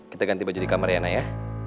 kita ganti baju di kamar yana ya